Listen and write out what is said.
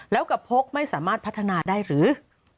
แล้วกับพกไม่สามารถพัฒนาได้หรือ